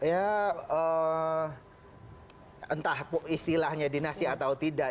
ya entah istilahnya dinasti atau tidak